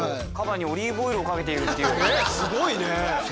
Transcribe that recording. すごいね。